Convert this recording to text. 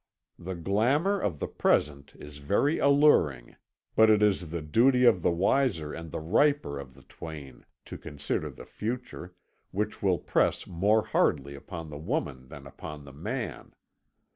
The glamour of the present is very alluring, but it is the duty of the wiser and the riper of the twain to consider the future, which will press more hardly upon the woman than upon the man.